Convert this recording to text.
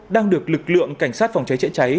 đang được lực lượng cảnh sát phòng cháy chữa cháy